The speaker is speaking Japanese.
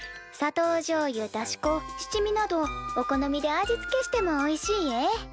砂糖じょうゆだし粉七味などお好みで味付けしてもおいしいえ。